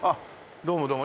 どうもどうも。